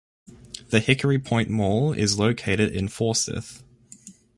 The Hickory Point Mall is located in Forsyth.